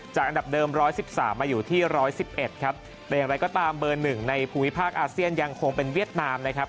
อันดับเดิม๑๑๓มาอยู่ที่๑๑๑ครับแต่อย่างไรก็ตามเบอร์หนึ่งในภูมิภาคอาเซียนยังคงเป็นเวียดนามนะครับ